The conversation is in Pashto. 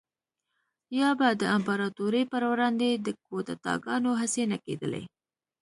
یا به د امپراتورۍ پروړاندې د کودتاګانو هڅې نه کېدلې